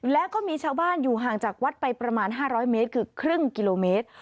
แล้วก็มีชาวบ้านอยู่ห่างจากวัดไปประมาณ๕๐๐เมตรคือครึ่งกิโลเมตร